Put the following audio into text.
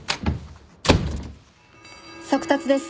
速達です。